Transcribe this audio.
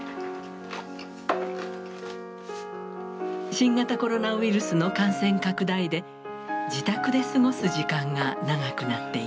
新型コロナウイルスの感染拡大で自宅で過ごす時間が長くなっていました。